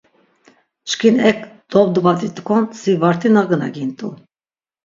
Çkin ek dobdvat̆it̆k̆on si varti nagnagint̆u.